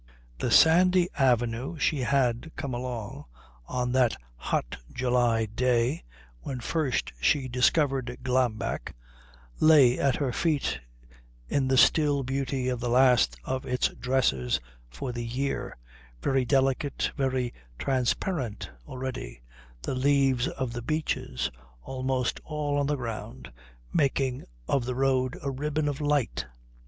The sandy avenue she had come along on that hot July day when first she discovered Glambeck lay at her feet in the still beauty of the last of its dresses for the year, very delicate, very transparent already, the leaves of the beeches almost all on the ground, making of the road a ribbon of light.